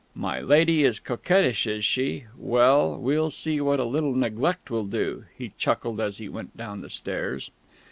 "My lady is coquettish, is she? Well, we'll see what a little neglect will do," he chuckled as he went down the stairs.